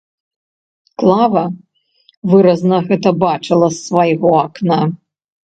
Клава выразна гэта бачыла з свайго акна.